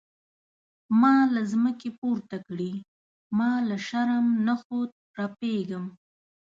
ما له ځمکې پورته کړي ما له شرم نخوت رپیږم.